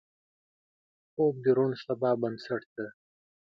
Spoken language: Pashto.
خوب د روڼ سبا بنسټ دی